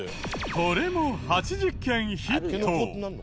これも８０件ヒット。